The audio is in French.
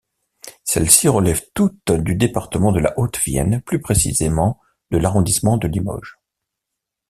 Celles-ci relèvent toutes du département de la Haute-Vienne, plus précisément de l'arrondissement de Limoges.